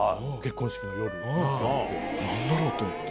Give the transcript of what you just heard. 何だろう？と思って。